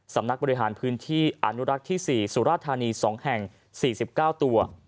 สำนักบริหารพื้นที่อนุรักษ์ที่๔สุราธานี๒แห่ง๔๙ตัว